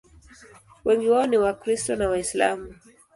Wengi wao ni Wakristo na Waislamu.